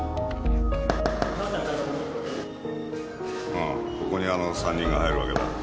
ああここにあの３人が入るわけだ。